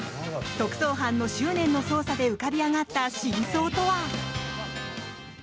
特捜班の執念の捜査で浮かび上がった真相とは？